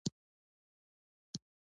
تا سره څو قسمه پېزار دي